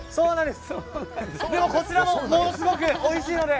でもこちらもものすごくおいしいので。